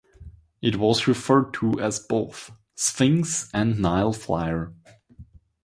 It was referred to as both "Sphinx" and "Nile Flyer".